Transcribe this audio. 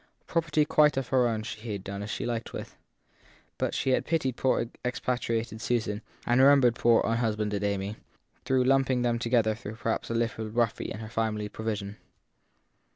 Property quite of her own she had done as she liked with; but she had pitied poor expa triated Susan and had remembered poor unhusbanded Amy, though lumping them together perhaps a little roughly in her final provision.